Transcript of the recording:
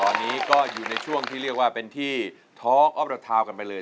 ตอนนี้ก็อยู่ในช่วงที่เรียกว่าเป็นที่ท้องออฟเตอร์ทาวน์กันไปเลย